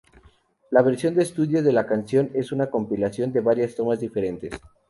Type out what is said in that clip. La versión de estudio de la canción es una compilación de varias tomas diferentes.